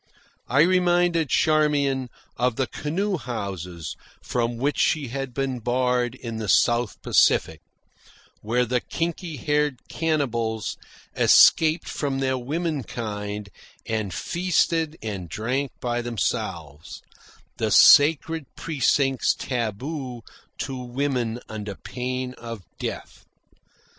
I reminded Charmian of the canoe houses from which she had been barred in the South Pacific, where the kinky haired cannibals escaped from their womenkind and feasted and drank by themselves, the sacred precincts taboo to women under pain of death.